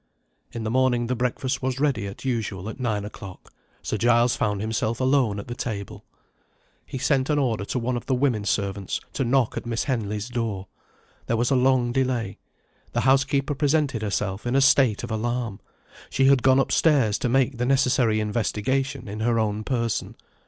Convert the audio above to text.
In the morning, the breakfast was ready as usual at nine o'clock. Sir Giles found himself alone at the table. He sent an order to one of the women servants to knock at Miss Henley's door. There was a long delay. The housekeeper presented herself in a state of alarm; she had gone upstairs to make the necessary investigation in her own person.